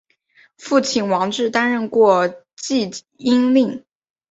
父亲王志担任过济阴令。